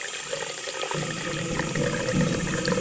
খানিক পরে চোট পেয়ে শরীফ মাঠ ছাড়লেও মধ্যাঞ্চলের কোনো ক্ষতিবৃদ্ধি হয়নি।